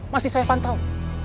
masih saya pantau